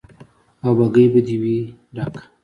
او بګۍ به دې وي ډکه